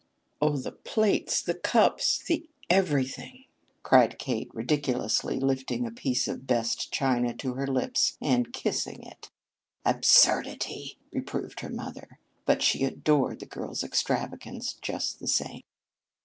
"Oh, the plates, the cups, the everything!" cried Kate, ridiculously lifting a piece of the "best china" to her lips and kissing it. "Absurdity!" reproved her mother, but she adored the girl's extravagances just the same.